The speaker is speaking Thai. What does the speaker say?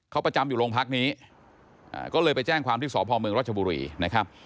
เขาประจำอยู่โรงพักนี้ก็เลยไปแจ้งความที่สพเมืองรัชบุรีนะครับ